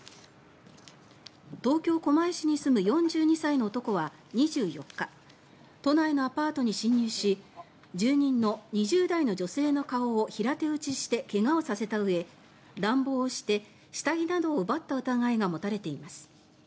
東京・狛江市に住む４２歳の男は２４日都内のアパートに侵入し住人の２０代の女性の顔を平手打ちして怪我をさせたうえ乱暴して下着などを奪った疑いなどが持たれています。